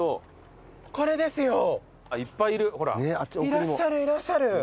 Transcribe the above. いらっしゃるいらっしゃる。